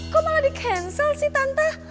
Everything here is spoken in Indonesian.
kok malah di cancel sih tante